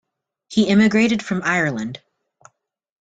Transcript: He emigrated from Ireland.